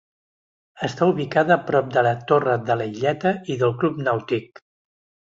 Està ubicada prop de la Torre de la Illeta i del club nàutic.